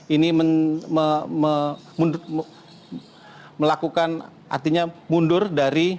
ini melakukan artinya mundur dari